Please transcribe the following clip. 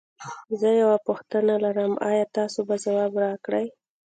زه یوه پوښتنه لرم ایا تاسو به ځواب راکړی؟